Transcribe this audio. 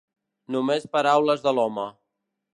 Només paraules de l'home.